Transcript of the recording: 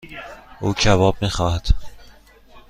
او کباب میخواهد.